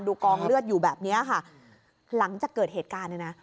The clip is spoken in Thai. กองเลือดอยู่แบบเนี้ยค่ะหลังจากเกิดเหตุการณ์เนี่ยนะ